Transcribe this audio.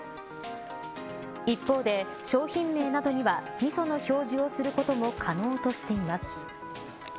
一方で、商品名などにはみその表示をすることも可能としています。